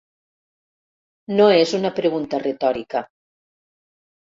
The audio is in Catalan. No és una pregunta retòrica.